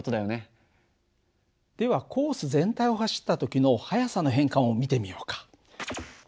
ではコース全体を走った時の速さの変化も見てみようか。